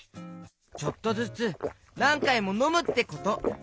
ちょっとずつなんかいものむってこと。